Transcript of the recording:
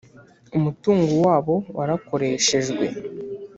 umutungo wabo warakoreshejwe